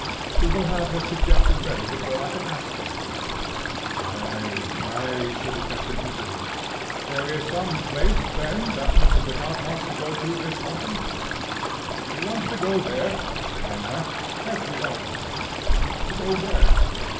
—she will have her suggestion ready before I can ask for it." "Ay! ay!" said the captain eagerly. "There is some place, then, that Mrs. Lecount wants to go to this autumn?" "She wants to go there (hang her!) every autumn." "To go where?"